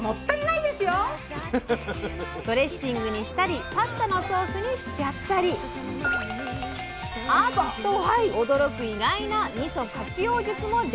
ドレッシングにしたりパスタのソースにしちゃったり⁉アッ！と驚く意外なみそ活用術も伝授します！